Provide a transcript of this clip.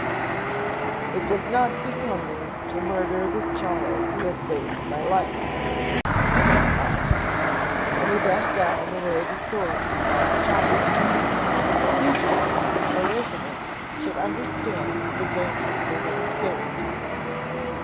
"It does not become me to murder this child who has saved my life," he said, at last. And he bent down and laid his sword beside the child, that the fugitives on awakening should understand the danger they had escaped.